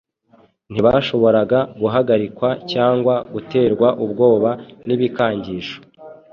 Ntibashoboraga guhagarikwa cyangwa guterwa ubwoba n’ibikangisho